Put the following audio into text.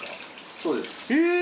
そうです。えっ！？